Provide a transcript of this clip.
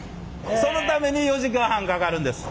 そのために４時間半かかるんです。